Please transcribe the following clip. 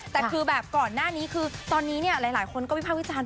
แต่คือแบบก่อนหน้านี้คือตอนนี้เนี่ยหลายคนก็วิภาควิจารณ์